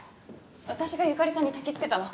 私が由香里さんにたきつけたの。